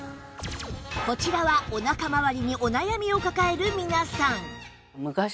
こちらはお腹まわりにお悩みを抱える皆さん